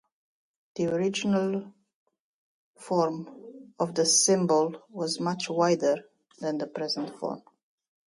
The original form of the symbol was much wider than the present form.